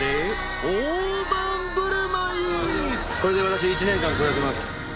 これで私１年間暮らせます。